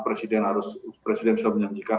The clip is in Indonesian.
presiden harus presiden bisa menyanyikan